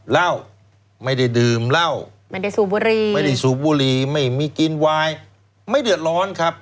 เหล้าไม่ได้ดื่มเหล้าไม่ได้สูบบุรีไม่ได้สูบบุหรี่ไม่มีกินวายไม่เดือดร้อนครับ